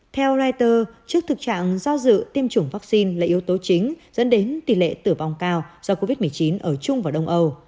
theo reuters trước thực trạng do dự tiêm chủng vaccine là yếu tố chính dẫn đến tỷ lệ tử vong cao do covid một mươi chín ở trung và đông âu